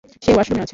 সে ওয়াশরুমে আছে।